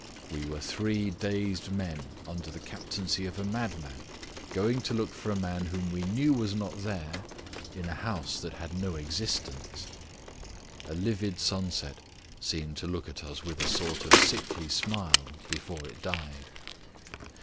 We were three dazed men under the captaincy of a madman going to look for a man whom we knew was not there in a house that had no existence. A livid sunset seemed to look at us with a sort of sickly smile before it died.